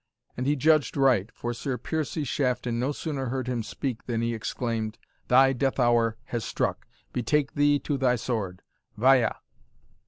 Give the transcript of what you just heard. And he judged right; for Sir Piercie Shafton no sooner heard him speak, than he exclaimed, "Thy death hour has struck betake thee to thy sword Via!"